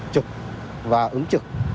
trực và ứng trực